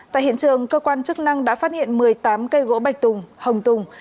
tại hiện trường cơ quan chức năng đã phát hiện một mươi tám cây gỗ bạch tùng hồng tùng